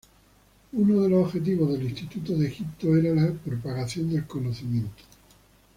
Una de los objetivos del Instituto de Egipto era la propagación del conocimiento.